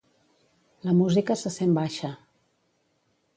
La música se sent baixa.